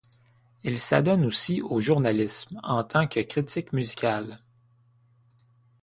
Il s'adonne aussi au journalisme, en tant que critique musical.